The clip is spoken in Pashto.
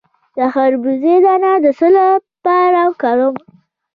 د خربوزې دانه د څه لپاره وکاروم؟